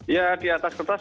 ya di atas kertas